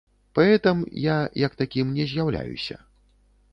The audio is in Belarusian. Паэтам я як такім не з'яўляюся.